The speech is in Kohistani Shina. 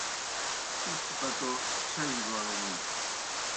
پِڅھیْ پتو چھجوْ گڑون